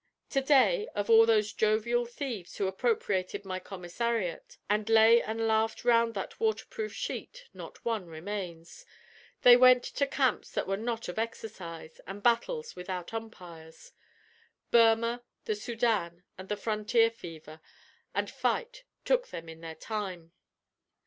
To day, of all those jovial thieves who appropriated my commissariat, and lay and laughed round that water proof sheet, not one remains. They went to camps that were not of exercise, and battles without umpires. Burma, the Soudan, and the frontier fever and fight took them in their time.